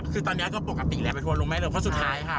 คือตอนนี้ก็ปกติไปทวนลงแม่เลยเพราะสุดท้ายค่ะ